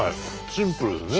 シンプルですね。